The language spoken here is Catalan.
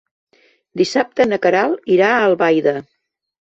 Dissabte na Queralt irà a Albaida.